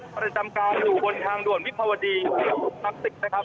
ประจำการอยู่บนทางด่วนวิภาวดีทักษิกนะครับ